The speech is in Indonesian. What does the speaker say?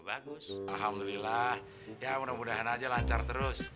bagus alhamdulillah ya mudah mudahan aja lancar terus